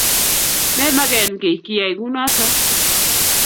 Memagen kiy kiyay kunoto